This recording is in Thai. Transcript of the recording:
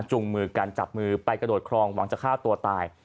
มือกันจับมือไปกระโดดครองหวังจะฆ่าตัวตาย